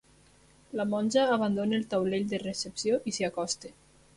La monja abandona el taulell de recepció i s'hi acosta.